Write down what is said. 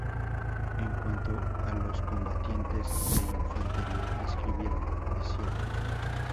En cuanto a los combatientes de infantería, escribieron: "Es cierto!